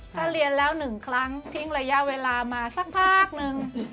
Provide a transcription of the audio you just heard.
ถ้าเรียนแล้ว๑ครั้งทิ้งระยะเวลามาสักพักนึง